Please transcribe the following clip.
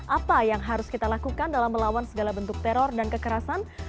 apa yang harus kita lakukan dalam melawan segala bentuk teror dan kekerasan